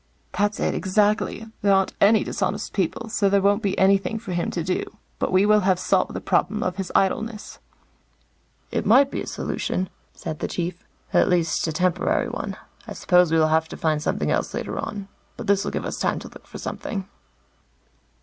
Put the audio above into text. "That's it, exactly. There aren't any dishonest people, so there won't be anything for him to do. But we will have solved the problem of his idleness." "It might be a solution," said the Chief. "At least, a temporary one. I suppose we will have to find something else later on. But this will give us time to look for something."